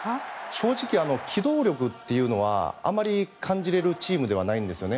正直、機動力というのはあまり感じれるチームではないんですよね。